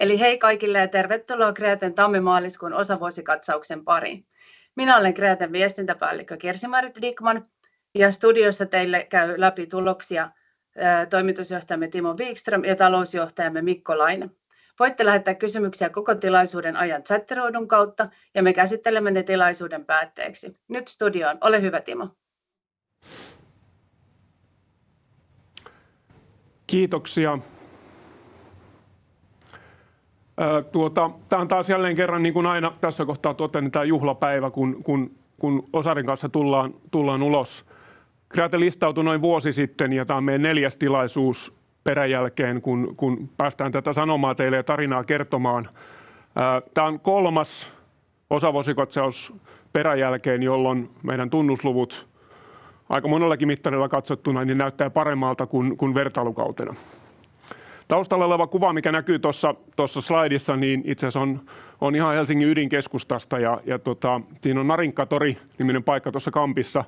Eli hei kaikille ja tervetuloa Kreaten tammi maaliskuun osavuosikatsauksen pariin. Minä olen Kreaten viestintäpäällikkö Kirsi-Marjut Dickman ja studiossa teille käy läpi tuloksia toimitusjohtajamme Timo Vikström ja talousjohtajamme Mikko Laine. Voitte lähettää kysymyksiä koko tilaisuuden ajan chatti ruudun kautta ja me käsittelemme ne tilaisuuden päätteeksi. Nyt studioon. Ole hyvä Timo. Kiitoksia! Tämä on taas jälleen kerran niin kuin aina. Tässä kohtaa totean, että juhlapäivä kun osarin kanssa tullaan ulos. Kreate listautui noin vuosi sitten ja tämä on meidän neljäs tilaisuus peräkkäin kun päästään tätä sanomaa teille ja tarinaa kertomaan. Tämä on kolmas osavuosikatsaus peräkkäin, jolloin meidän tunnusluvut aika monellakin mittarilla katsottuna näyttää paremmalta kuin vertailukautena. Taustalla oleva kuva mikä näkyy tuossa slidissa, niin itse asiassa on ihan Helsingin ydinkeskustasta ja siinä on Narinkkatori niminen paikka tuossa Kampissa.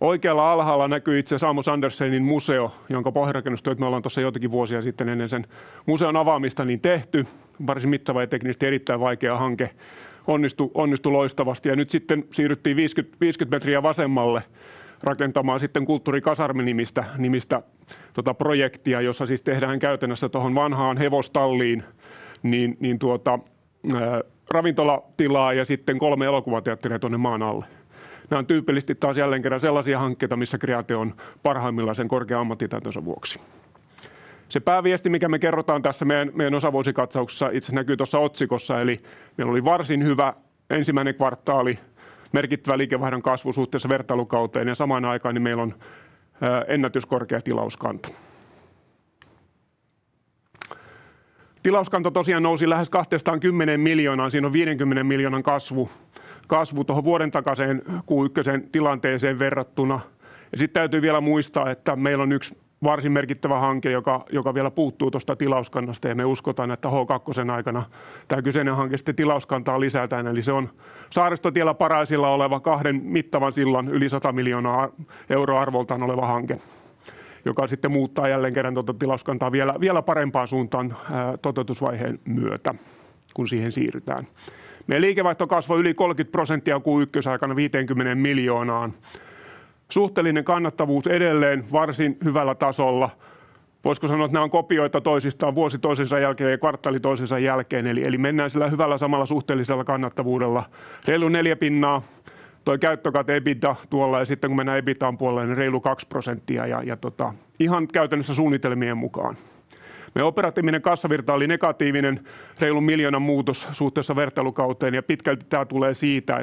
Oikealla alhaalla näkyy itse asiassa Amos Andersonin museo, jonka pohjarakennustyöt me ollaan tuossa joitakin vuosia sitten ennen sen museon avaamista niin tehty. Varsin mittava ja teknisesti erittäin vaikea hanke. Onnistui loistavasti ja nyt sitten siirryttiin 50 metriä vasemmalle rakentamaan sitten Kulttuurikasermi nimistä projektia, jossa siis tehdään käytännössä tuohon vanhaan hevostalliin niin tuota ravintolatilaa ja sitten 3 elokuvateatteria tuonne maan alle. Nää on tyypillisesti taas jälleen kerran sellaisia hankkeita, missä Kreate on parhaimmillaan sen korkean ammattitaitonsa vuoksi. Se pääviesti, minkä me kerrotaan tässä meidän osavuosikatsauksessa itse asiassa näkyy tuossa otsikossa. Eli meillä oli varsin hyvä ensimmäinen kvartaali. Merkittävä liikevaihdon kasvu suhteessa vertailukauteen ja samaan aikaan niin meillä on ennätyskorkea tilauskanta. Tilauskanta tosiaan nousi lähes EUR 210 miljoonaan. Siinä on EUR 50 miljoonan kasvu tuohon vuoden takaiseen Q1:n tilanteeseen verrattuna. Sitten täytyy vielä muistaa, että meillä on yksi varsin merkittävä hanke, joka vielä puuttuu tuosta tilauskannasta. Me uskotaan, että H2:n aikana tää kyseinen hanke sitten tilauskantaa lisää tän. Se on Saaristotiellä Paraisilla oleva kahden mittavan sillan yli EUR 100 million arvoltaan oleva hanke, joka sitten muuttaa jälleen kerran tuota tilauskantaa vielä parempaan suuntaan toteutusvaiheen myötä, kun siihen siirrytään. Meidän liikevaihto kasvoi yli 30% Q1 aikana EUR 50 million. Suhteellinen kannattavuus edelleen varsin hyvällä tasolla. Voisiko sanoa, että nämä on kopioita toisistaan vuosi toisensa jälkeen ja kvartaali toisensa jälkeen. Mennään sillä hyvällä samalla suhteellisella kannattavuudella reilu 4% tuo käyttökate EBITDA tuolla. Sitten kun mennään EBITA puolelle, niin reilu 2% ja tota ihan käytännössä suunnitelmien mukaan. Meidän operatiivinen kassavirta oli negatiivinen. EUR 1 million muutos suhteessa vertailukauteen ja pitkälti tää tulee siitä,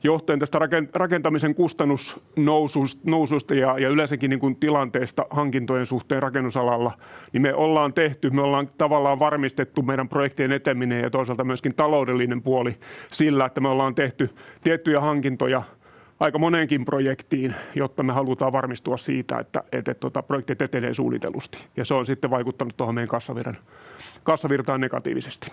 että johtuen tästä rakentamisen kustannusnoususta ja yleensäkin niin kuin tilanteesta hankintojen suhteen rakennusalalla, niin me ollaan tehty. Me ollaan tavallaan varmistettu meidän projektien eteneminen ja toisaalta myöskin taloudellinen puoli sillä, että me ollaan tehty tiettyjä hankintoja aika moneenkin projektiin, jotta me halutaan varmistua siitä, että projektit etenee suunnitellusti ja se on sitten vaikuttanut tuohon meidän kassavirtaan negatiivisesti.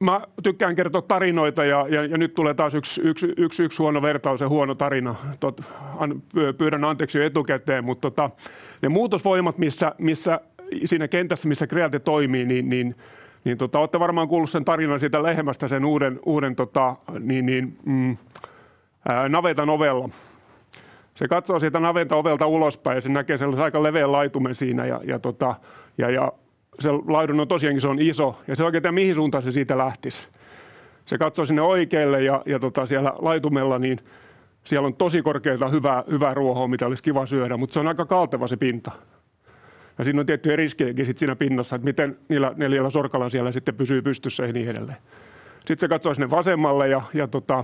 Mä tykkään kertoa tarinoita ja nyt tulee taas yksi huono vertaus ja huono tarina. Pyydän anteeksi jo etukäteen, mutta ne muutosvoimat missä siinä kentässä missä Kreate toimii niin olette varmaan kuullut sen tarinan siitä lehmästä, sen uuden niin. Navetan ovella. Se katsoo siitä navetan ovelta ulospäin ja se näkee sellaisen aika leveän laitumen siinä. Se laidun on tosiaankin iso ja se ei oikein tiedä mihin suuntaan se siitä lähtisi. Se katsoo sinne oikealle ja siellä laitumella niin siellä on tosi korkeeta hyvää ruohoa mitä olisi kiva syödä, mutta se on aika kalteva se pinta ja siinä on tiettyjä riskejäkin sit siinä pinnassa, että miten niillä neljällä sorkalla siellä sitten pysyy pystyssä ja niin edelleen. Se katsoo sinne vasemmalle ja siellä on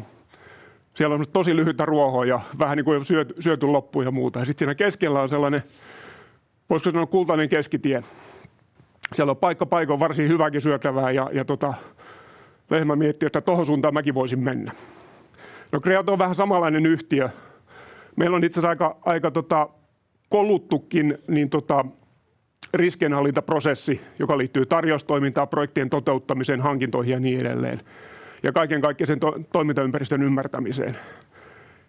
sellaista tosi lyhyttä ruohoa ja vähän niin kuin jo syöty loppuun ja muuta. Siellä keskellä on sellainen. Voisiko sanoa kultainen keskitie. Siellä on paikka paikoin varsin hyvääkin syötävää ja lehmä miettii, että tuohon suuntaan mäkin voisin mennä. No Kreate on vähän samanlainen yhtiö. Meillä on itse asiassa aika koluttukin riskienhallintaprosessi, joka liittyy tarjoustoimintaan, projektien toteuttamiseen, hankintoihin ja niin edelleen ja kaiken kaikkiaan sen toimintaympäristön ymmärtämiseen.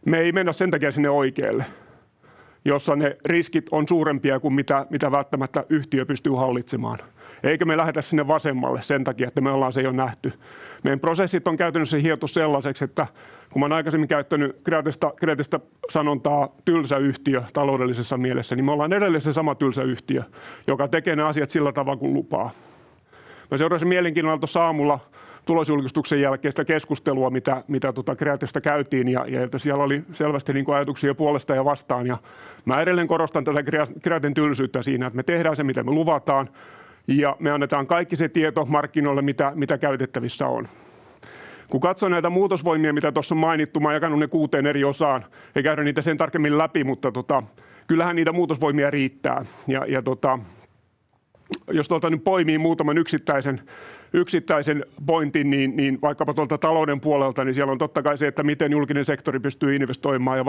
Me ei mennä sen takia sinne oikealle, jossa ne riskit on suurempia kuin mitä välttämättä yhtiö pystyy hallitsemaan. Eikä me lähetä sinne vasemmalle sen takia, että me ollaan se jo nähty. Meidän prosessit on käytännössä hiottu sellaiseksi, että kun mä oon aikaisemmin käyttänyt Kreatesta Kreatea sanontaa tylsä yhtiö taloudellisessa mielessä, niin me ollaan edelleen se sama tylsä yhtiö, joka tekee ne asiat sillä tavalla kuin lupaa. Mä seurasin mielenkiinnolla tuossa aamulla tulosjulkistuksen jälkeistä keskustelua, mitä tuota Kreatesta käytiin ja siellä oli selvästi niinku ajatuksia puolesta ja vastaan. Mä edelleen korostan tätä Kreaten tylsyyttä siinä, että me tehdään se, mitä me luvataan ja me annetaan kaikki se tieto markkinoille, mitä käytettävissä on. Kun katsoo näitä muutosvoimia mitä tuossa on mainittu, mä oon jakanut ne kuuteen eri osaan. Ei käydä niitä sen tarkemmin läpi, mutta kyllähän niitä muutosvoimia riittää ja jos tuolta nyt poimii muutaman yksittäisen pointin, niin vaikkapa tuolta talouden puolelta, niin siellä on totta kai se, että miten julkinen sektori pystyy investoimaan ja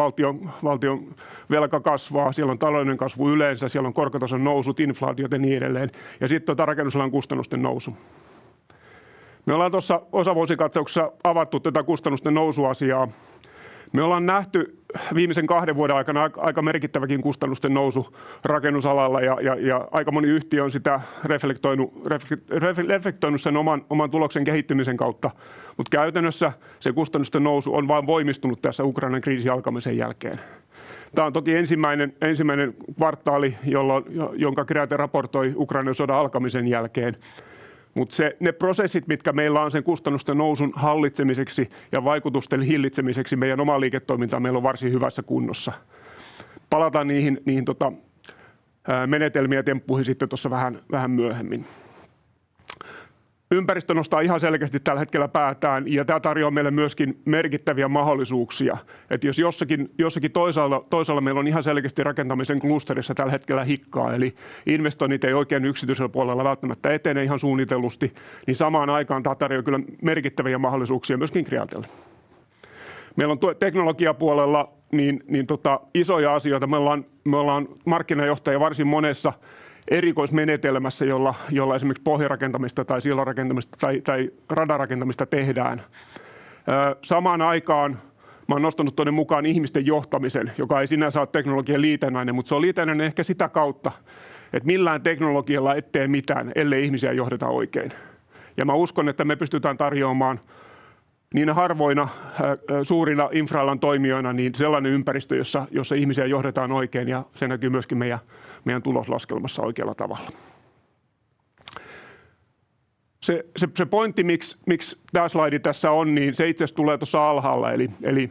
valtion velka kasvaa. Siellä on talouden kasvu yleensä, siellä on korkotason nousut, inflaatiot ja niin edelleen. Sitten tuota rakennusalan kustannusten nousu. Me ollaan tuossa osavuosikatsauksessa avattu tätä kustannusten nousuasiaa. Me ollaan nähty viimeisen 2 vuoden aikana aika merkittäväkin kustannusten nousu rakennusalalla ja aika moni yhtiö on sitä reflektoinut sen oman tuloksen kehittymisen kautta, mutta käytännössä se kustannusten nousu on vain voimistunut tässä Ukrainan kriisin alkamisen jälkeen. Tämä on toki ensimmäinen kvartaali, jonka Kreate raportoi Ukrainan sodan alkamisen jälkeen. Ne prosessit, mitkä meillä on sen kustannusten nousun hallitsemiseksi ja vaikutusten hillitsemiseksi meidän omaan liiketoimintaan meillä on varsin hyvässä kunnossa. Palataan niihin menetelmiin ja temppuihin sitten tuossa vähän myöhemmin. Ympäristö nostaa ihan selkeästi tällä hetkellä päätään ja tämä tarjoaa meille myöskin merkittäviä mahdollisuuksia. Jos jossakin toisaalla meillä on ihan selkeästi rakentamisen klusterissa tällä hetkellä hikkaa, eli investoinnit ei oikein yksityisellä puolella välttämättä etene ihan suunnitellusti, niin samaan aikaan tämä tarjoaa kyllä merkittäviä mahdollisuuksia myöskin Kreate. Meillä on tuo teknologiapuolella niin isoja asioita me ollaan. Me ollaan markkinajohtaja varsin monessa erikoismenetelmässä, jolla esimerkiksi pohjarakentamista tai sillanrakentamista tai radanrakentamista tehdään. Samaan aikaan mä olen nostanut tuonne mukaan ihmisten johtamisen, joka ei sinänsä ole teknologian liitännäinen, mutta se on liitännäinen ehkä sitä kautta, että millään teknologialla et tee mitään, ellei ihmisiä johdeta oikein. Mä uskon, että me pystytään tarjoamaan niinä harvoina suurina infra-alan toimijoina niin sellainen ympäristö, jossa ihmisiä johdetaan oikein. Se näkyy myöskin meidän tuloslaskelmassa oikealla tavalla. Se pointti miks tää slaidi tässä on, niin se itse asiassa tulee tuossa alhaalla. Eli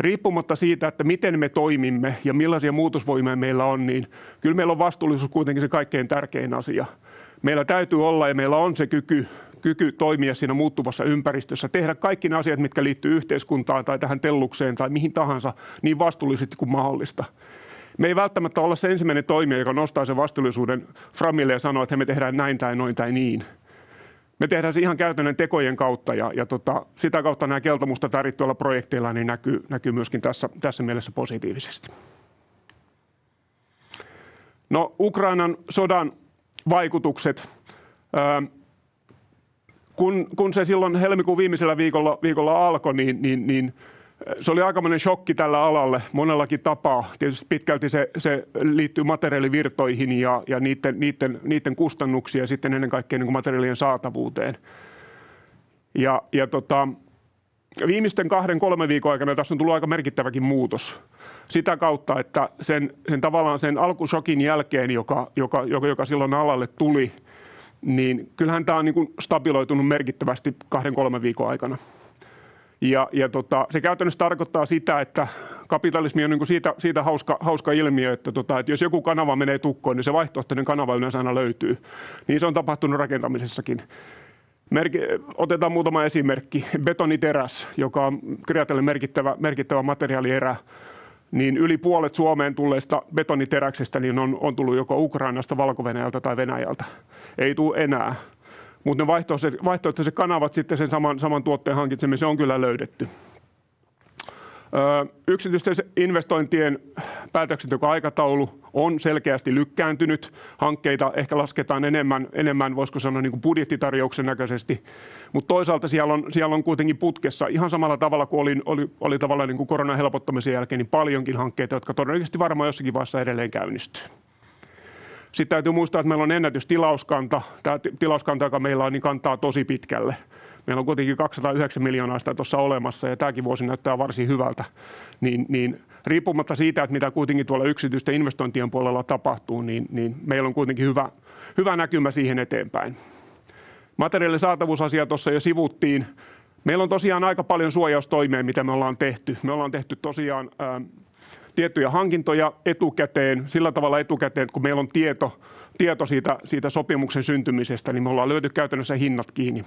riippumatta siitä, että miten me toimimme ja millaisia muutosvoimia meillä on, niin kyllä meillä on vastuullisuus kuitenkin se kaikkein tärkein asia. Meillä täytyy olla ja meillä on se kyky toimia siinä muuttuvassa ympäristössä, tehdä kaikki ne asiat, mitkä liittyy yhteiskuntaan tai tähän Tellukseen tai mihin tahansa niin vastuullisesti kuin mahdollista. Me ei välttämättä olla se ensimmäinen toimija, joka nostaa sen vastuullisuuden framille ja sanoo, että hei me tehdään näin tai noin tai niin. Me tehdään se ihan käytännön tekojen kautta ja tota sitä kautta nää keltamustaa täytetyillä projekteilla niin näkyy myöskin tässä mielessä positiivisesti. No Ukrainan sodan vaikutukset. Kun se silloin helmikuun viimeisellä viikolla alkoi, niin se oli aikamoinen shokki tälle alalle monellakin tapaa. Tietysti pitkälti se liittyy materiaalivirtoihin ja niitten kustannuksiin ja sitten ennen kaikkea niinku materiaalien saatavuuteen. Tota viimeisten 2-3 viikon aikana tässä on tullut aika merkittäväkin muutos sitä kautta, että sen tavallaan sen alkushokin jälkeen, joka silloin alalle tuli, niin kyllähän tämä on niinkun stabiloitunut merkittävästi 2-3 viikon aikana. Tota se käytännössä tarkoittaa sitä, että kapitalismi on niinku siitä hauska ilmiö, että jos joku kanava menee tukkoon, niin se vaihtoehtoinen kanava yleensä aina löytyy. Se on tapahtunut rakentamisessakin. Otetaan muutama esimerkki. Betoniteräs, joka on Kreate merkittävä materiaali, niin yli puolet Suomeen tulleista betoniteräksestä on tullut joko Ukrainasta, Valko-Venäjältä tai Venäjältä. Ei tule enää, mutta ne vaihtoehtoiset kanavat sitten sen saman tuotteen hankkimiseen on kyllä löydetty. Yksityisten investointien päätöksenteon aikataulu on selkeästi lykkääntynyt. Hankkeita ehkä lasketaan enemmän, voisiko sanoa niinkuin budjettitarjouksen näköisesti, mutta toisaalta siellä on kuitenkin putkessa ihan samalla tavalla kuin oli tavallaan niinkuin koronan helpottamisen jälkeen niin paljonkin hankkeita, jotka todennäköisesti varmaan jossakin vaiheessa edelleen käynnistyy. Täytyy muistaa, että meillä on ennätystilauskanta. Tämä tilauskanta, joka meillä on, kantaa tosi pitkälle. Meillä on kuitenkin EUR 209 miljoonaa tuossa olemassa ja tämäkin vuosi näyttää varsin hyvältä. Niin riippumatta siitä, että mitä kuitenkin tuolla yksityisten investointien puolella tapahtuu, meillä on kuitenkin hyvä näkymä siihen eteenpäin. Materiaalin saatavuusasia tuossa jo sivuttiin. Meillä on tosiaan aika paljon suojaustoimia, mitä me ollaan tehty. Me ollaan tehty tosiaan tiettyjä hankintoja etukäteen sillä tavalla etukäteen, että kun meillä on tieto siitä sopimuksen syntymisestä, niin me ollaan lyöty käytännössä hinnat kiinni.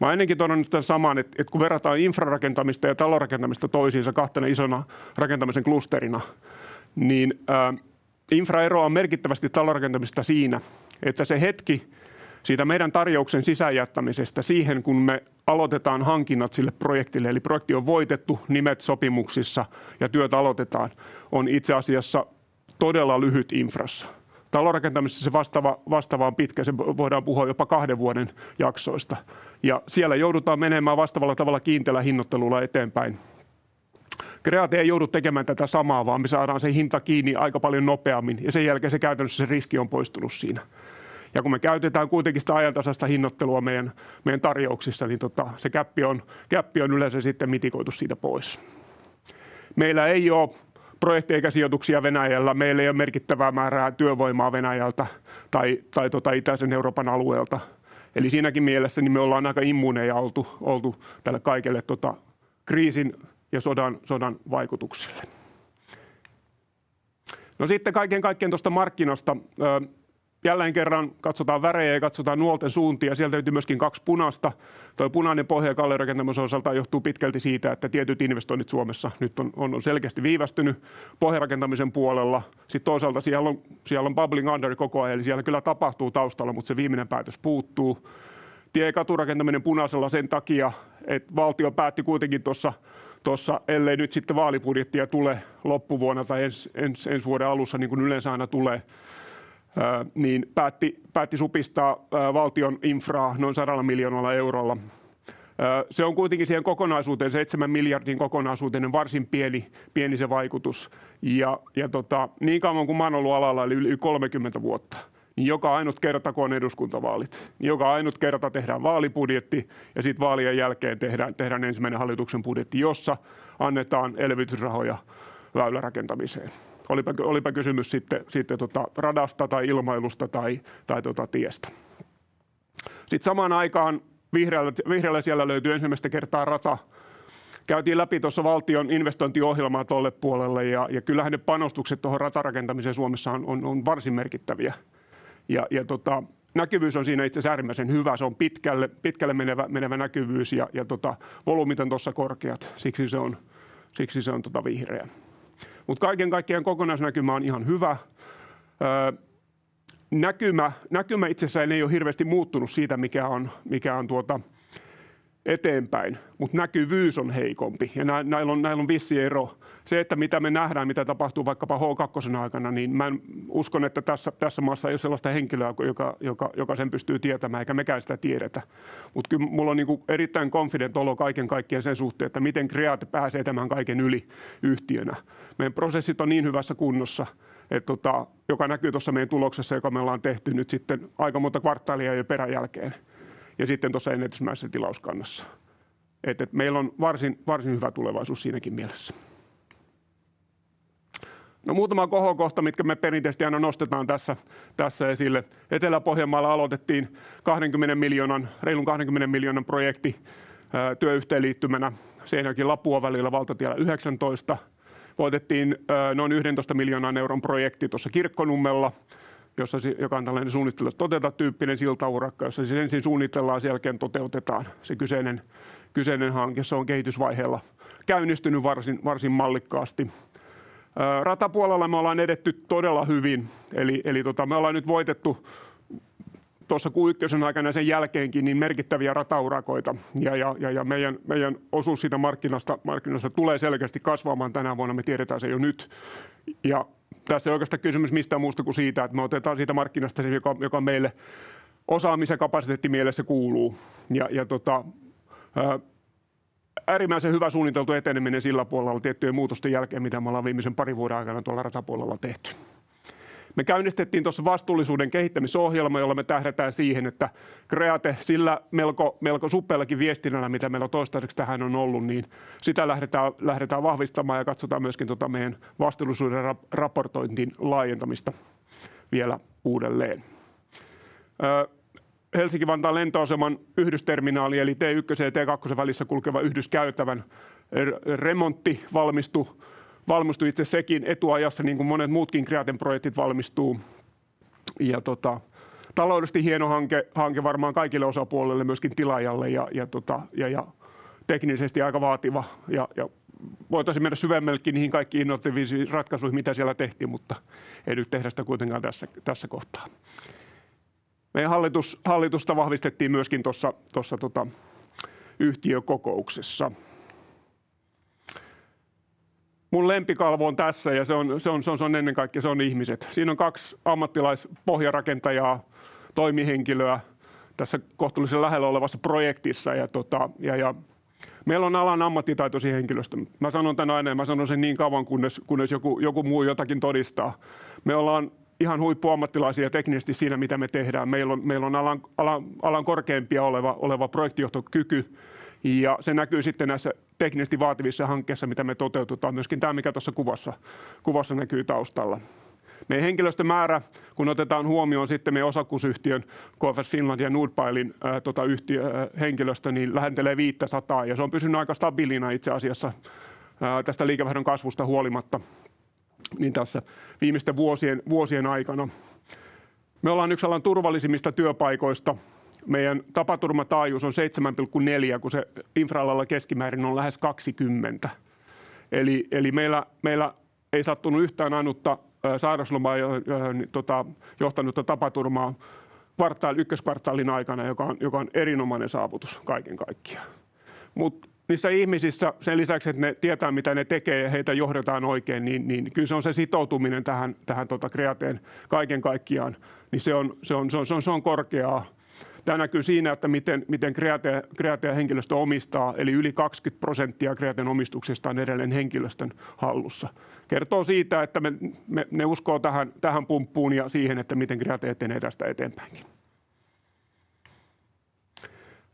Mä olen ennenkin todennut tämän saman, että kun verrataan infrarakentamista ja talonrakentamista toisiinsa kahtena isona rakentamisen klusterina, niin infra eroaa merkittävästi talonrakentamista siinä, että se hetki siitä meidän tarjouksen sisään jättämisestä siihen, kun me aloitetaan hankinnat sille projektille eli projekti on voitettu, nimet sopimuksissa ja työt aloitetaan, on itse asiassa todella lyhyt infrassa. Talonrakentamisessa se vastaava on pitkä. Se voidaan puhua jopa kahden vuoden jaksoista ja siellä joudutaan menemään vastaavalla tavalla kiinteällä hinnoittelulla eteenpäin. Kreate ei joudu tekemään tätä samaa, vaan me saadaan se hinta kiinni aika paljon nopeammin ja sen jälkeen se käytännössä se riski on poistunut siinä. Kun me käytetään kuitenkin sitä ajantasaista hinnoittelua meidän tarjouksissa, niin se gäppi on yleensä sitten mitigoitu siitä pois. Meillä ei ole projekti- eikä sijoituksia Venäjällä. Meillä ei ole merkittävää määrää työvoimaa Venäjältä tai itäisen Euroopan alueelta. Siinäkin mielessä me ollaan aika immuuneja oltu tälle kaikelle tota kriisin ja sodan vaikutuksille. No sitten kaiken kaikkiaan tuosta markkinasta. Jälleen kerran katsotaan värejä ja katsotaan nuolten suuntia. Sieltä löytyy myöskin kaksi punaista. Tuo punainen pohjarakentamisen osalta johtuu pitkälti siitä, että tietyt investoinnit Suomessa nyt on selkeästi viivästynyt pohjarakentamisen puolella. Sitten toisaalta siellä on bubbling under koko ajan, eli siellä kyllä tapahtuu taustalla, mutta se viimeinen päätös puuttuu. Tie- ja katurakentaminen punaisella sen takia, että valtio päätti kuitenkin tuossa, ellei nyt sitten vaalibudjettia tule loppuvuonna tai ensi vuoden alussa niin kuin yleensä aina tulee. Päätti supistaa valtion infraa noin EUR 100 miljoonalla. Se on kuitenkin siihen kokonaisuuteen, EUR 7 miljardin kokonaisuuteen varsin pieni se vaikutus. Niin kauan kun mä olen ollut alalla eli yli 30 vuotta, niin joka ainut kerta kun on eduskuntavaalit, niin joka ainut kerta tehdään vaalibudjetti ja sitten vaalien jälkeen tehdään ensimmäinen hallituksen budjetti, jossa annetaan elvytysrahoja väylärakentamiseen. Olipa kysymys sitten siitä radasta tai ilmailusta tai tiestä. Sitten samaan aikaan vihreällä siellä löytyy ensimmäistä kertaa rata. Käytiin läpi tuossa valtion investointiohjelmaa tuolle puolelle ja kyllähän ne panostukset tuohon ratarakentamiseen Suomessa on varsin merkittäviä ja näkyvyys on siinä itse asiassa äärimmäisen hyvä. Se on pitkälle menevä näkyvyys ja volyymit on tuossa korkeat. Siksi se on vihreä. Mutta kaiken kaikkiaan kokonaisnäkymä on ihan hyvä. Näkymä itsessään ei ole hirveästi muuttunut siitä, mikä on tuota eteenpäin, mutta näkyvyys on heikompi. Näillä on vissi ero. Se, että mitä me nähdään, mitä tapahtuu vaikkapa H kakkosen aikana, niin mä en usko, että tässä maassa ei ole sellaista henkilöä, joka sen pystyy tietämään. Eikä mekään sitä tiedetä. Kyllä mulla on niinku erittäin confident olo kaiken kaikkiaan sen suhteen, että miten Kreate pääsee tämän kaiken yli yhtiönä. Meidän prosessit on niin hyvässä kunnossa, että se joka näkyy tuossa meidän tuloksessa, joka me ollaan tehty nyt sitten aika monta kvartaalia jo peräjälkeen. Ja sitten tuossa ennätysmäisessä tilauskannassa, että meillä on varsin hyvä tulevaisuus siinäkin mielessä. No muutama kohokohta, mitkä me perinteisesti aina nostetaan tässä esille. Etelä-Pohjanmaalla aloitettiin just over EUR 20 million projekti työyhteenliittymänä Seinäjoki-Lapua välillä valtatie 19. Voitettiin noin EUR 11 million projekti tuossa Kirkkonummella, jossa se on tällainen suunnittele ja toteuta -tyyppinen siltaurakka, jossa se ensin suunnitellaan ja sen jälkeen toteutetaan se kyseinen hanke. Se on kehitysvaiheella. Käynnistynyt varsin mallikkaasti. Ratapuolella me ollaan edetty todella hyvin. Eli tota me ollaan nyt voitettu tuossa Q1:n aikana sen jälkeenkin merkittäviä rataurakoita. Meidän osuus siitä markkinasta markkinassa tulee selkeästi kasvamaan tänä vuonna. Me tiedetään se jo nyt ja tässä ei oikeastaan kysymys mistään muusta kuin siitä, että me otetaan siitä markkinasta se, joka on meille osaamis- ja kapasiteettimielessä kuuluu. Tota äärimmäisen hyvä suunniteltu eteneminen sillä puolella tiettyjen muutosten jälkeen, mitä me ollaan viimeisen parin vuoden aikana tuolla ratapuolella tehty. Me käynnistettiin tuossa vastuullisuuden kehittämisohjelma, jolla me tähdätään siihen, että Kreate sillä melko suppeallakin viestinnällä mitä meillä toistaiseksi tähän on ollut, niin sitä lähdetään vahvistamaan ja katsotaan myöskin tuota meidän vastuullisuuden raportointiin laajentamista vielä uudelleen. Helsinki-Vantaan lentoaseman yhdysterminaali eli T1:n ja T2:n välissä kulkevan yhdyskäytävän remontti valmistui. Valmistui itse sekin etuajassa niin kuin monet muutkin Kreate projektit valmistuu. Taloudellisesti hieno hanke. Hanke varmaan kaikille osapuolille, myöskin tilaajalle. Teknisesti aika vaativa. Voitaisiin mennä syvemmällekin niihin kaikkiin innovatiivisiin ratkaisuihin, mitä siellä tehtiin, mutta ei nyt tehdä sitä kuitenkaan tässä kohtaa. Meidän hallitusta vahvistettiin myöskin tuossa yhtiökokouksessa. Mun lempikalvo on tässä ja se on ennen kaikkea ihmiset. Siinä on kaksi ammattilaispohjarakentajaa toimihenkilöä tässä kohtuullisen lähellä olevassa projektissa. Meillä on alan ammattitaitoisin henkilöstö. Mä sanon tän aina ja mä sanon sen niin kauan, kunnes joku muu jotakin todistaa. Me ollaan ihan huippuammattilaisia teknisesti siinä mitä me tehdään. Meillä on alan korkeimpia projektijohtokyky ja se näkyy sitten näissä teknisesti vaativissa hankkeissa, mitä me toteutetaan. Myöskin tämä mikä tuossa kuvassa näkyy taustalla. Meidän henkilöstömäärä kun otetaan huomioon sitten meidän osakeyhtiön KFS Finland ja NordPilen yhtiöhenkilöstö niin lähentelee 500 ja se on pysynyt aika stabiilina itse asiassa tästä liikevaihdon kasvusta huolimatta niin tässä viimeisten vuosien aikana. Me ollaan yksi alan turvallisimmista työpaikoista. Meidän tapaturmataajuus on 7.4, kun se infra-alalla keskimäärin on lähes 20. Eli meillä ei sattunut yhtään ainutta sairaslomaan johtanutta tapaturmaa ykköskvartaalin aikana, joka on erinomainen saavutus kaiken kaikkiaan. Niissä ihmisissä sen lisäksi, että ne tietää mitä ne tekee ja heitä johdetaan oikein, niin kyllä se on se sitoutuminen tähän Kreateen kaiken kaikkiaan, niin se on korkeaa. Tämä näkyy siinä, että miten Kreate henkilöstö omistaa. Eli yli 20% Kreate omistuksesta on edelleen henkilöstön hallussa. Kertoo siitä, että me ne uskoo tähän pumppuun ja siihen, että miten Kreate etenee tästä eteenpäinkin.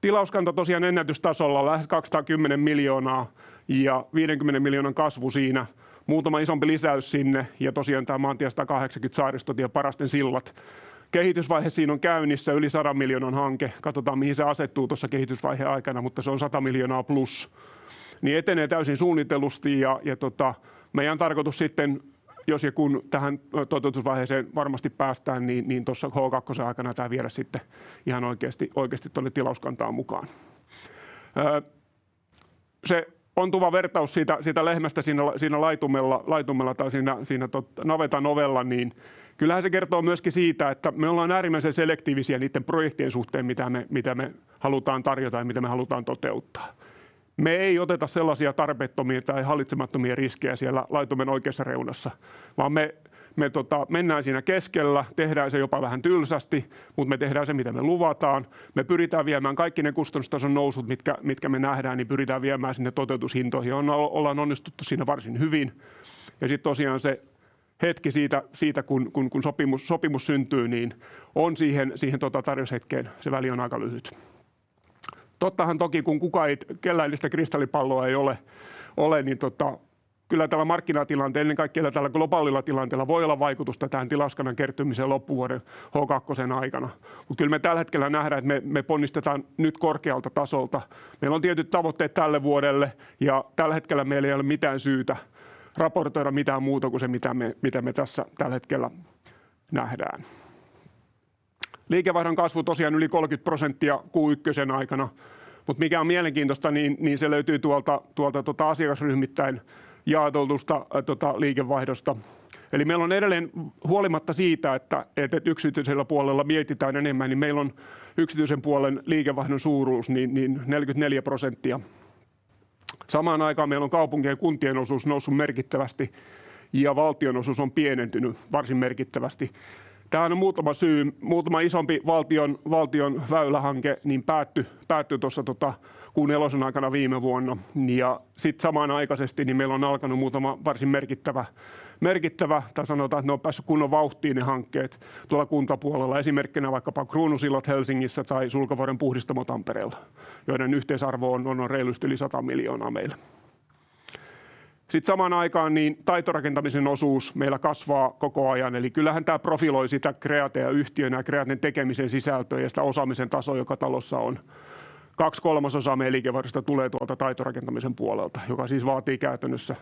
Tilauskanta tosiaan ennätystasolla lähes EUR 220 miljoonaa ja EUR 50 miljoonan kasvu siinä. Muutama isompi lisäys sinne. Tosiaan tämä maantie 180 Saaristotie Parainen sillat. Kehitysvaihe siinä on käynnissä yli EUR 100 miljoonan hanke. Katsotaan mihin se asettuu tuossa kehitysvaiheen aikana, mutta se on EUR 100 miljoonaa plus niin etenee täysin suunnitellusti. Tota meidän tarkoitus sitten jos ja kun tähän toteutusvaiheeseen varmasti päästään, niin tuossa H 2:n aikana tämä viedä sitten ihan oikeasti tuonne tilauskantaan mukaan. Se ontuva vertaus siitä lehmästä siinä laitumella tai siinä navetan ovella, niin kyllähän se kertoo myöskin siitä, että me ollaan äärimmäisen selektiivisiä niiden projektien suhteen mitä me halutaan tarjota ja mitä me halutaan toteuttaa. Me ei oteta sellaisia tarpeettomia tai hallitsemattomia riskejä siellä laitumen oikeassa reunassa, vaan me mennään siinä keskellä. Tehdään se jopa vähän tylsästi, mut me tehdään se, mitä me luvataan. Me pyritään viemään kaikki ne kustannustason nousut, mitkä me nähdään, niin pyritään viemään sinne toteutushintoihin. Ollaan onnistuttu siinä varsin hyvin. Sit tosiaan se hetki siitä kun sopimus syntyy, niin on siihen tarjoushetkeen se väli on aika lyhyt. Tottahan toki, kun kukaan ei kellään ei sitä kristallipalloa ei ole, niin kyllä tällä markkinatilanteella, ennen kaikkea tällä globaalilla tilanteella voi olla vaikutusta tähän tilauskannan kertymiseen loppuvuoden H2:n aikana. Kyllä me tällä hetkellä nähdään, että me ponnistetaan nyt korkealta tasolta. Meillä on tietyt tavoitteet tälle vuodelle ja tällä hetkellä meillä ei ole mitään syytä raportoida mitään muuta kuin se, mitä me tässä tällä hetkellä nähdään. Liikevaihdon kasvu tosiaan yli 30% Q1:n aikana, mikä on mielenkiintoista, niin se löytyy tuolta asiakasryhmittäin jaotelluista liikevaihdoista. Eli meillä on edelleen huolimatta siitä, että yksityisellä puolella mietitään enemmän, niin meillä on yksityisen puolen liikevaihdon suuruus 44%. Samanaikaisesti meillä on kaupunkien ja kuntien osuus noussut merkittävästi ja valtion osuus on pienentynyt varsin merkittävästi. Tähän on muutama syy. Muutama isompi valtion väylähanke päätty tuossa Q4:n aikana viime vuonna. Ja sitten samanaikaisesti meillä on alkanut muutama varsin merkittävä. Tai sanotaan, että ne on päässy kunnon vauhtiin ne hankkeet tuolla kuntapuolella. Esimerkkinä vaikkapa Kruunusillat Helsingissä tai Sulkavuoren puhdistamo Tampereella, joiden yhteisarvo on reilusti yli EUR 100 miljoonaa meillä. Sitten samaan aikaan taitorakentamisen osuus meillä kasvaa koko ajan. Eli kyllähän tämä profiloi Kreatea yhtiönä ja Kreaten tekemisen sisältöä ja sitä osaamisen tasoa, joka talossa on. 2/3 meidän liikevaihdosta tulee tuolta taitorakentamisen puolelta, joka vaatii käytännössä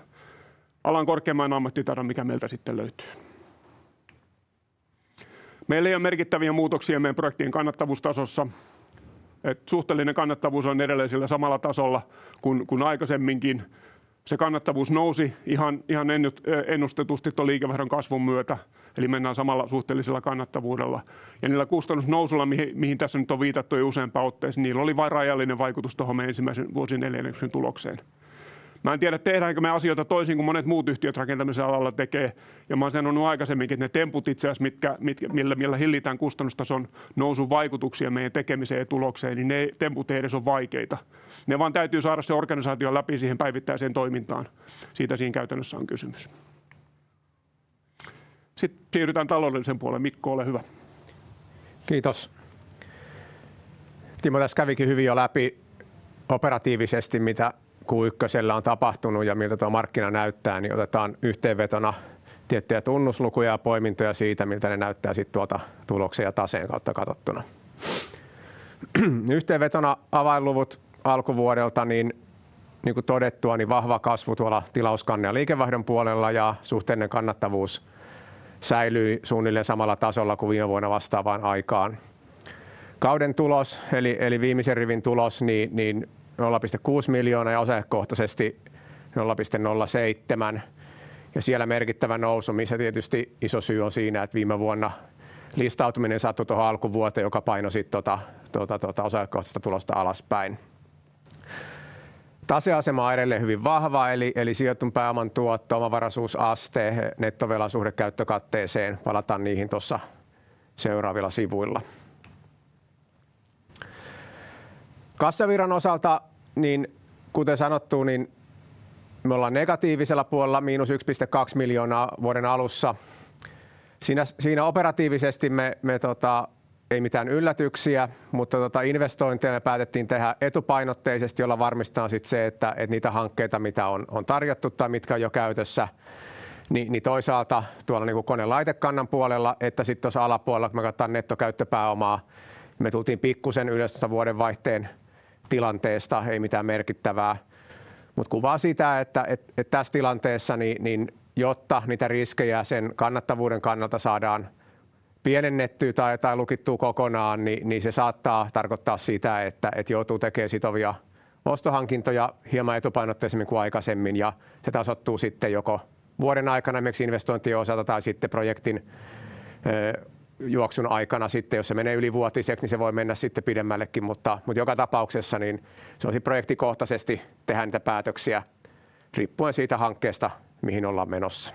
alan korkeimman ammattitaidon, mikä meiltä löytyy. Meillä ei ole merkittäviä muutoksia meidän projektien kannattavuustasossa. Eli suhteellinen kannattavuus on edelleen sillä samalla tasolla kuin aiemminkin. Se kannattavuus nousi ennustetusti tuon liikevaihdon kasvun myötä. Eli mennään samalla suhteellisella kannattavuudella. Niillä kustannusnousuilla, joihin tässä nyt on viitattu jo useampaan otteeseen, oli vain rajallinen vaikutus tuohon meidän ensimmäisen vuosineljänneksen tulokseen. Mä en tiedä, tehdäänkö me asioita toisin kuin monet muut yhtiöt rakentamisen alalla tekevät. Mä olen sanonut aikaisemminkin, että ne temput itse asiassa millä hillitään kustannustason nousun vaikutuksia meidän tekemiseen ja tulokseen, niin ne temput ei edes oo vaikeita. Ne vaan täytyy saada sen organisaation läpi siihen päivittäiseen toimintaan. Siitä siinä käytännössä on kysymys. Siirrytään taloudelliseen puoleen. Mikko ole hyvä. Kiitos! Timo täs kävikin hyvin jo läpi operatiivisesti mitä Q ykkösellä on tapahtunut ja miltä tuo markkina näyttää. Otetaan yhteenvetona tiettyjä tunnuslukuja ja poimintoja siitä, miltä ne näyttää sit tuolta tuloksen ja taseen kautta katottuna. Yhteenvetona avainluvut alkuvuodelta, niin kuin todettua, vahva kasvu tuolla tilauskannan ja liikevaihdon puolella ja suhteellinen kannattavuus säilyi suunnilleen samalla tasolla kuin viime vuonna vastaavaan aikaan. Kauden tulos eli viimeisen rivin tulos niin nolla piste kuus miljoonaa ja osakekohtaisesti nolla piste nolla seitsemän. Siellä merkittävä nousu, missä tietysti iso syy on siinä, että viime vuonna listautuminen sattui tuohon alkuvuoteen, joka painoi sit tota osakekohtaista tulosta alaspäin. Taseasema on edelleen hyvin vahva, eli sijoitetun pääoman tuotto, omavaraisuusaste, nettovelan suhde käyttökatteeseen. Palataan niihin tossa seuraavilla sivuilla. Kassavirran osalta, niin kuten sanottu, me ollaan negatiivisella puolella miinus yks piste kaks miljoonaa vuoden alussa. Siinä operatiivisesti me ei mitään yllätyksiä, mutta investointeja me päätettiin tehdä etupainotteisesti, jolla varmistetaan se, että niitä hankkeita mitä on on tarjottu tai mitkä on jo käytössä, niin toisaalta tuolla kone- ja laitekannan puolella että tässä alapuolella kun me katsotaan nettokäyttöpääomaa. Me tultiin pikkuisen ylös tuosta vuodenvaihteen tilanteesta. Ei mitään merkittävää, mutta kuvaa sitä, että tässä tilanteessa niin jotta niitä riskejä sen kannattavuuden kannalta saadaan pienennettyä tai lukittua kokonaan, niin se saattaa tarkoittaa sitä, että joutuu tekemään sitovia ostohankintoja hieman etupainotteisemmin kuin aikaisemmin ja se tasoittuu sitten joko vuoden aikana esimerkiksi investointien osalta tai sitten projektin juoksun aikana sitten jos se menee ylivuotiseksi, niin se voi mennä sitten pidemmällekin. Joka tapauksessa niin se on sitten projektikohtaisesti tehty niitä päätöksiä riippuen siitä hankkeesta mihin ollaan menossa.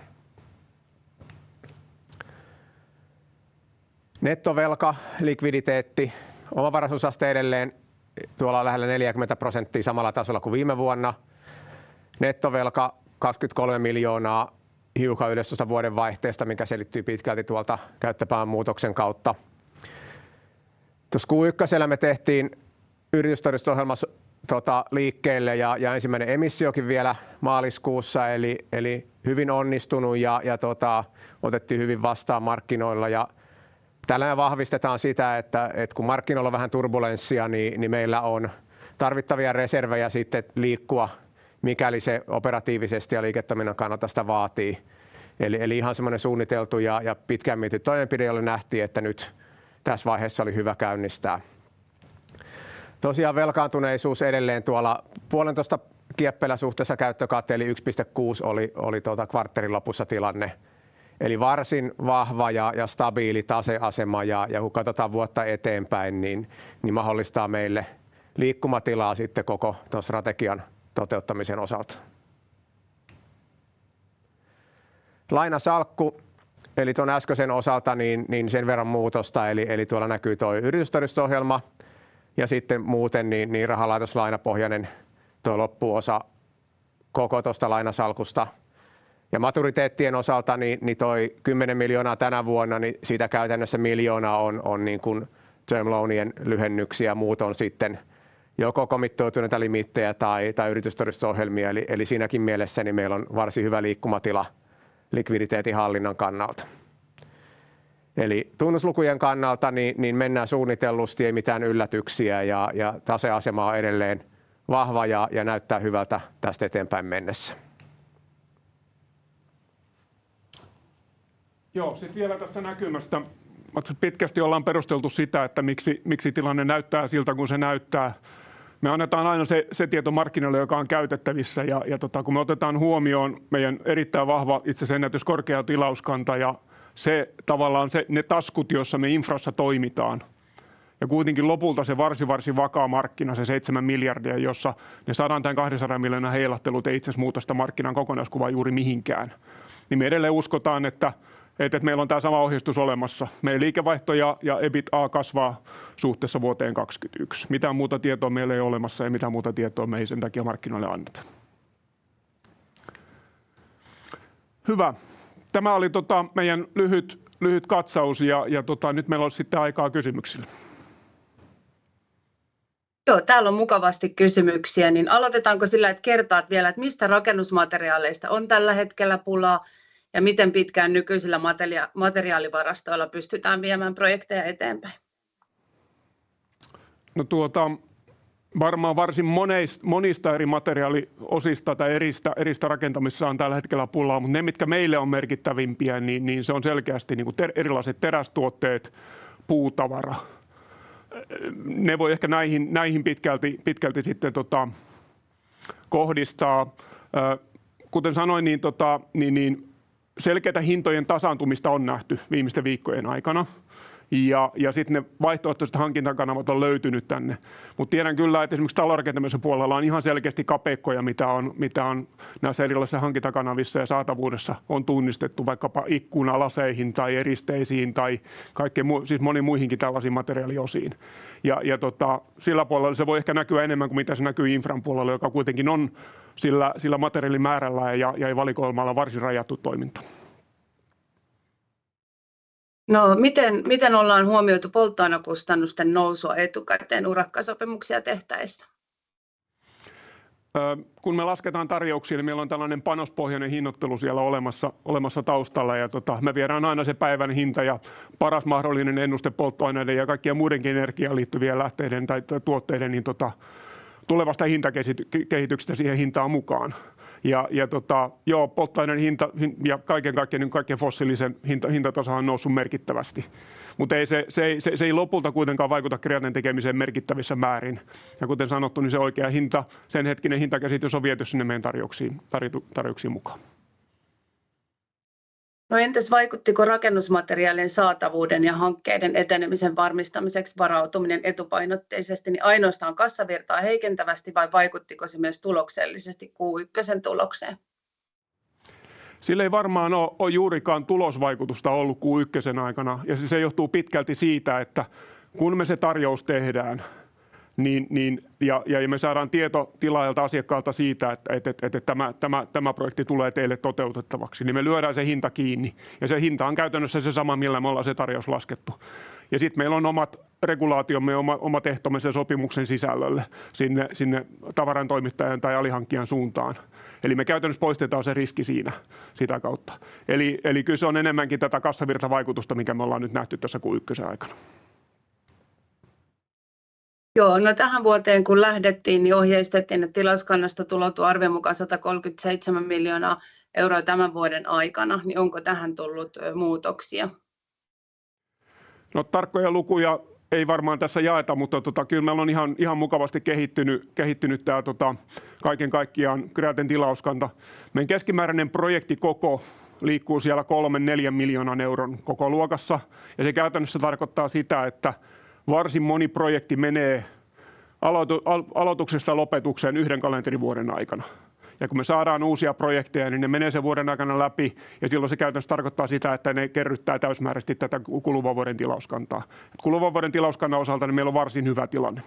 Nettovelka, likviditeetti, omavaraisuusaste edelleen tuolla lähellä 40 % samalla tasolla kuin viime vuonna. Nettovelka EUR 23 miljoonaa hiukan ylös tuosta vuodenvaihteesta, mikä selittyy pitkälti tuolta käyttöpääoman muutoksen kautta. Tänä Q1:llä me tehtiin yritystodistusohjelma liikkeelle ja ensimmäinen emissiokin vielä maaliskuussa. Eli hyvin onnistunut ja otettiin hyvin vastaan markkinoilla. Ja tällä me vahvistetaan sitä, että että kun markkinoilla on vähän turbulenssia, niin meillä on tarvittavia reservejä sitten liikkua, mikäli se operatiivisesti ja liiketoiminnan kannalta sitä vaatii. Eli ihan semmonen suunniteltu ja pitkään mietitty toimenpide, jolle nähtiin, että nyt tässä vaiheessa oli hyvä käynnistää. Tosiaan velkaantuneisuus edelleen tuolla puolentoista kieppeillä suhteessa käyttökatteeseen eli 1.6 oli kvartterin lopussa tilanne. Eli varsin vahva ja stabiili taseasema ja kun katsotaan vuotta eteenpäin niin mahdollistaa meille liikkumatilaa sitten koko tuon strategian toteuttamisen osalta. Lainasalkku eli tämän edellisen osalta, niin sen verran muutosta. Tuolla näkyy toi yritystodistusohjelma, ja sitten muuten niin rahalaitoslainapohjainen toi loppuosa koko tästä lainasalkusta. Maturiteettien osalta niin toi EUR 10 miljoonaa tänä vuonna, niin siitä käytännössä EUR 1 miljoona on niinkun term loanien lyhennyksiä ja muut on sitten joko kommitoituneita limiittejä tai yritystodistusohjelmia. Siinäkin mielessä meillä on varsin hyvä liikkumatila likviditeetin hallinnan kannalta. Tunnuslukujen kannalta niin mennään suunnitellusti. Ei mitään yllätyksiä ja taseasema on edelleen vahva ja näyttää hyvältä täst eteenpäin mennessä. Joo, sitten vielä tästä näkymästä. Pitkästi ollaan perusteltu sitä, että miksi tilanne näyttää siltä kuin se näyttää. Me annetaan aina se tieto markkinoille, joka on käytettävissä. Kun me otetaan huomioon meidän erittäin vahva itse asiassa ennätyskorkea tilauskanta ja se tavallaan ne taskut, joissa me infrassa toimitaan ja kuitenkin lopulta se varsin vakaa markkina, EUR 7 billion, jossa ne EUR 100 million tai EUR 200 million heilahtelut ei itse asiassa muuta sitä markkinan kokonaiskuvaa juuri mihinkään, niin me edelleen uskotaan, että meillä on tämä sama ohjeistus olemassa. Meidän liikevaihto ja EBITDA kasvaa suhteessa vuoteen 2023. Mitään muuta tietoa meillä ei ole olemassa, eikä mitään muuta tietoa me ei sen takia markkinoille anneta. Hyvä. Tämä oli meidän lyhyt katsaus. Nyt meillä olis sitten aikaa kysymyksille. Joo, täällä on mukavasti kysymyksiä, niin aloitetaanko sillä, että kertaat vielä, että mistä rakennusmateriaaleista on tällä hetkellä pulaa ja miten pitkään nykyisillä materiaalivarastoilla pystytään viemään projekteja eteenpäin? Varmaan varsin monista eri materiaaliosista tai eristä rakentamisessa on tällä hetkellä pulaa, mut ne mitkä meille on merkittävimpiä, niin se on selkeästi niinku erilaiset terästuotteet, puutavara. Ne voi ehkä näihin pitkälti sitten kohdistaa. Kuten sanoin, selkeätä hintojen tasaantumista on nähty viimeisten viikkojen aikana, ja sit ne vaihtoehtoset hankintakanavat on löytyny tänne. Tiedän kyllä, että esimerkiks talorakentamisen puolella on selkeesti kapeikkoja mitä on näis erilaisissa hankintakanavissa ja saatavuudessa on tunnistettu vaikkapa ikkunalaseihin tai eristeisiin tai kaikkeen, siis moniin muihinkin tällasiin materiaaliosiin. Sillä puolella se voi ehkä näkyä enemmän kuin mitä se näkyy infran puolella, joka kuitenkin on sillä materiaalimäärällä ja valikoimalla varsin rajattu toiminta. No miten ollaan huomioitu polttoainekustannusten nousua etukäteen urakkasopimuksia tehdessä? Kun me lasketaan tarjouksia, niin meillä on tällainen panospohjainen hinnoittelu siellä olemassa taustalla ja me viedään aina se päivän hinta ja paras mahdollinen ennuste polttoaineiden ja kaikkien muidenkin energiaan liittyvien lähteiden tai tuotteiden tulevasta hintakehityksestä siihen hintaan mukaan. Polttoaineen hinta ja kaiken kaikkiaan kaiken fossiilisen hintataso on noussut merkittävästi, mutta se ei lopulta kuitenkaan vaikuta Kreaten tekemiseen merkittävissä määrin. Kuten sanottu, niin se oikea hinta. Sen hetkinen hintakäsitys on viety sinne meidän tarjouksiin mukaan. No, entä se vaikuttiko rakennusmateriaalien saatavuuden ja hankkeiden etenemisen varmistamiseksi varautuminen etupainotteisesti niin ainoastaan kassavirtaa heikentävästi vai vaikuttiko se myös tuloksellisesti Q1:n tulokseen? Sillä ei varmaan ole juurikaan tulosvaikutusta ollut Q1:n aikana, ja se johtuu pitkälti siitä, että kun me se tarjous tehdään, niin ja me saadaan tieto tilaajalta asiakkaalta siitä, että tämä projekti tulee teille toteutettavaksi, niin me lyödään se hinta kiinni ja se hinta on käytännössä se sama millä me olemme se tarjous laskettu. Ja sitten meillä on omat regulaatiomme ja omat ehtomme sen sopimuksen sisällölle sinne tavarantoimittajan tai alihankkijan suuntaan. Eli me käytännössä poistetaan se riski siinä sitä kautta. Eli kyllä se on enemmänkin tätä kassavirtavaikutusta, mikä me olemme nyt nähty tässä Q1:n aikana. Joo, no tähän vuoteen kun lähdettiin niin ohjeistettiin, että tilauskannasta tuloutuu arviolta EUR 137 million tämän vuoden aikana, niin onko tähän tullut muutoksia? No tarkkoja lukuja ei varmaan tässä jaeta, mutta kyllä meillä on ihan mukavasti kehittynyt tämä kaiken kaikkiaan Kreaten tilauskanta. Meidän keskimääräinen projektikoko liikkuu siellä 3-4 miljoonan euron kokoluokassa, ja se käytännössä tarkoittaa sitä, että varsin moni projekti menee aloituksesta lopetukseen yhden kalenterivuoden aikana. Kun me saadaan uusia projekteja, niin ne menee sen vuoden aikana läpi ja silloin se käytännössä tarkoittaa sitä, että ne kerryttää täysimääräisesti tätä kuluvan vuoden tilauskantaa. Kuluvan vuoden tilauskannan osalta niin meillä on varsin hyvä tilanne.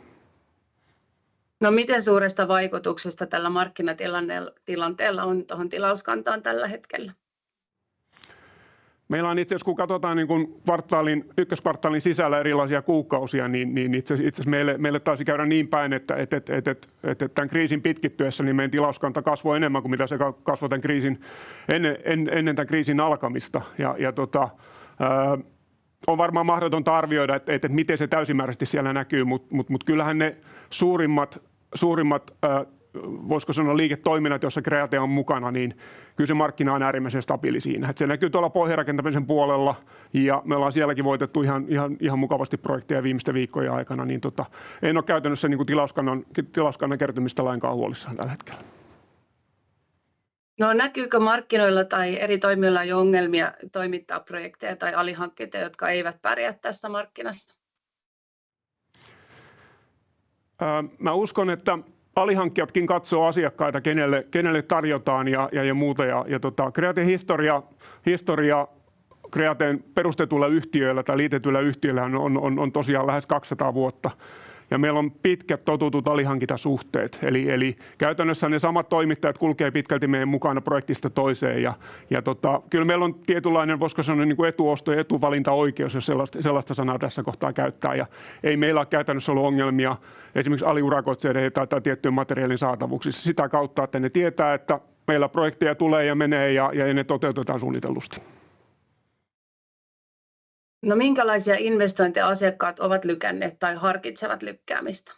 Miten suuresta vaikutuksesta tällä markkinatilanteella on tohon tilauskantaan tällä hetkellä? Meillä on itse asiassa kun katsotaan niinkun kvartaalin ykköskvartaalin sisällä erilaisia kuukausia, niin itse asiassa meille taisi käydä niin päin, että tän kriisin pitkittyessä niin meidän tilauskanta kasvoi enemmän kuin mitä se kasvoi tän kriisin ennen ennen tän kriisin alkamista. Tota on varmaan mahdotonta arvioida miten se täysimääräisesti siellä näkyy. Mut kyllähän ne suurimmat voiko sanoa liiketoiminnat, joissa Kreate on mukana, niin kyllä se markkina on äärimmäisen stabiili siinä, että se näkyy tuolla pohjarakentamisen puolella. Me ollaan sielläkin voitettu ihan mukavasti projekteja viimeisten viikkojen aikana, niin tota en oo käytännössä niinku tilauskannan kertymisestä lainkaan huolissaan tällä hetkellä. No näkyykö markkinoilla tai eri toimialoilla jo ongelmia toimittaa projekteja tai alihankkijoita, jotka eivät pärjää tässä markkinassa? Mä uskon, että alihankkijatkin katsoo asiakkaita kenelle tarjotaan ja muuta ja tota. Kreaten historia Kreateeseen perustetulla yhtiöillä tai liitetyllä yhtiöillähän on tosiaan lähes 200 vuotta ja meillä on pitkät tutut alihankintasuhteet. Eli käytännössä ne samat toimittajat kulkee pitkälti meidän mukana projektista toiseen. Tota kyllä meillä on tietynlainen, voisiko sanoa niinku etuosto- ja etuvalintaoikeus, jos sellaista sanaa tässä kohtaa käyttää. Ei meillä ole käytännössä ollut ongelmia esimerkiksi aliurakoitsijoiden tai tiettyjen materiaalien saatavuuksissa sitä kautta, että ne tietää, että meillä projekteja tulee ja menee ja ne toteutetaan suunnitellusti. No minkälaisia investointeja asiakkaat ovat lykänneet tai harkitsevat lykkäämistä?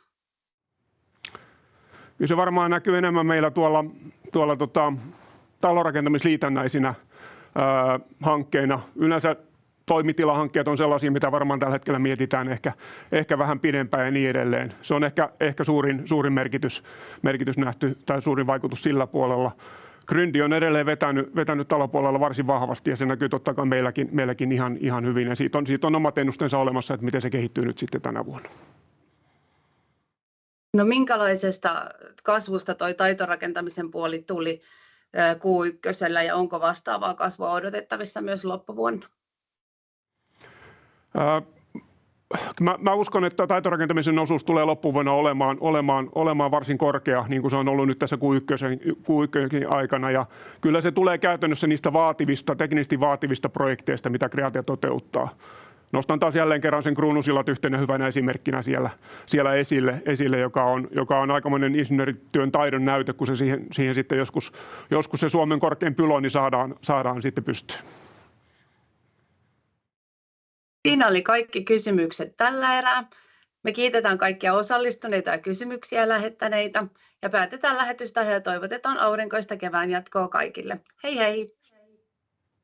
Kyllä se varmaan näkyy enemmän meillä tuolla talonrakentamisliitännäisinä hankkeina. Yleensä toimitilahankkeet on sellaisia, mitä varmaan tällä hetkellä mietitään ehkä vähän pidempään ja niin edelleen. Se on ehkä suurin merkitys nähty tai suurin vaikutus sillä puolella. Gryndi on edelleen vetäny talopuolella varsin vahvasti ja se näkyy totta kai meilläkin ihan hyvin ja siitä on omat ennusteensa olemassa, että miten se kehittyy nyt sitten tänä vuonna. No minkälaisesta kasvusta toi taitorakentamisen puoli tuli Q1:llä ja onko vastaavaa kasvua odotettavissa myös loppuvuonna? Mä uskon, että taitorakentamisen osuus tulee loppuvuonna olemaan varsin korkea, niin kuin se on ollut nyt tässä Q1:n, Q1:nkin aikana. Kyllä se tulee käytännössä niistä vaativista, teknisesti vaativista projekteista, mitä Kreate toteuttaa. Nostan taas jälleen kerran sen Kruunusillat yhtenä hyvänä esimerkkinä siellä esille, joka on aikamoinen insinöörityön taidonnäyte, kun se siihen sitten joskus se Suomen korkein pyloni saadaan sitten pystyyn. Siinä oli kaikki kysymykset tällä erää. Me kiitetään kaikkia osallistuneita ja kysymyksiä lähettäneitä ja päätetään lähetys tähän ja toivotetaan aurinkoista kevään jatkoa kaikille. Hei hei.